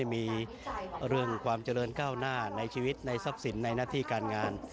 มีเรื่องความเจริญก้าวหน้าในชีวิตในทรัพย์สินในหน้าที่การงาน